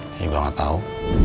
ya gue gak tau